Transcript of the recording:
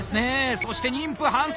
そして妊婦搬送！